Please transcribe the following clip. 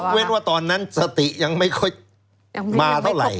เว้นว่าตอนนั้นสติยังไม่ค่อยมาเท่าไหร่